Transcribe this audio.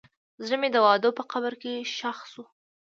زړه مې د وعدو په قبر کې ښخ شو.